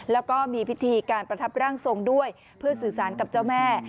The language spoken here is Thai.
แล้วก็มีพิธีการประทับร่างทรงด้วยเพื่อสื่อสารกับเจ้าแม่